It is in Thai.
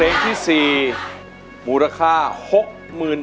ไม่ถูกน